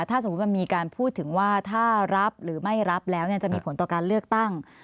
ถ้าสมมุติมันมีการพูดถึงว่าถ้ารับหรือไม่รับแล้วจะมีผลต่อการเลือกตั้ง